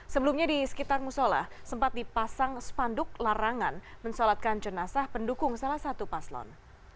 sebelumnya di sekitar musola sempat dipasang spanduk larangan mensolatkan jenazah pendukung salah satu paslon